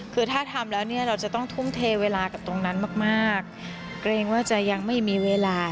เพราะว่าอย่างนี้ค่ะต้องทุ่มเทเวลาให้กับงานเพลงอยากให้มันออกมาดีนะคะ